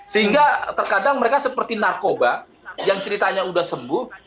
sehingga terkadang mereka seperti narkoba yang ceritanya sudah sembuh